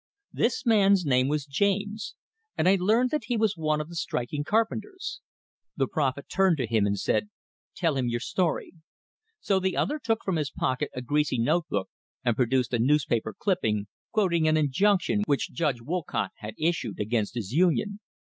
This man's name was James, and I learned that he was one of the striking carpenters. The prophet turned to him, and said: "Tell him your story." So the other took from his pocket a greasy note book, and produced a newspaper clipping, quoting an injunction which Judge Wollcott had issued against his union.